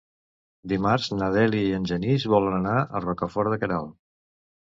Dimarts na Dèlia i en Genís volen anar a Rocafort de Queralt.